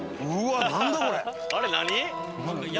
あれ何？